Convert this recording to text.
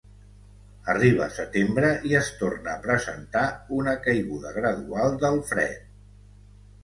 Arriba setembre, i es torna a presentar una caiguda gradual del fred.